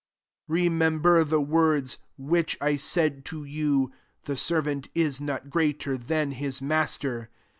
20 « Remember the words which I said to 3rou, * The ser vant is not greater than his mas ter.'